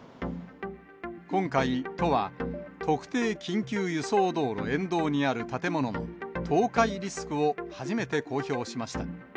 今回、都は、特定緊急輸送道路沿道にある建物の倒壊リスクを初めて公表しました。